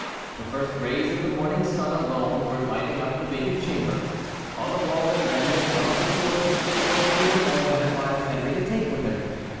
The first rays of the morning sun alone were lighting up the vacant chamber. On the wall in readiness hung the sword which Monsieur de Mouy had advised Henry to take with him.